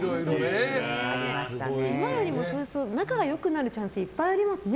今と違って仲が良くなるチャンスいっぱいありますね